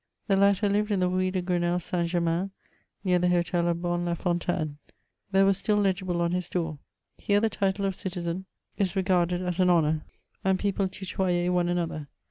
The latter lived in the rue de Grenelle' Saint Germainy near the hotel of Bon La Fontaine, There was still legible on his door :'^ Here the title of citizen is regarded as an honour, and people tutoyer one another.